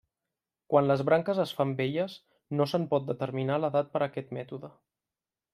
Quan les branques es fan velles no se'n pot determinar l'edat per aquest mètode.